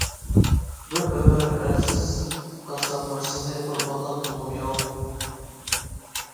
بىر ئۆمۈر ئەرسىز قالساممۇ سىزنى قۇربانلىق قىلغۇم يوق.